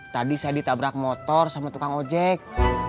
tadi saya ditabrak motor sama tukang ojek